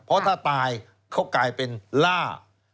เพราะถ้าตายเขากลายเป็นล่า